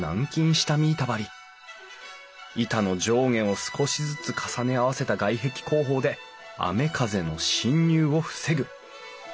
板の上下を少しずつ重ね合わせた外壁工法で雨風の侵入を防ぐ。